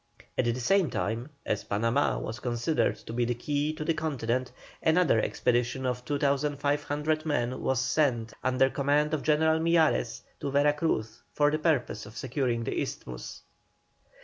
At the same time, as Panamá was considered to be the key to the continent, another expedition of 2,500 men was sent, under command of General Miyares, to Vera Cruz for the purpose of securing the Isthmus.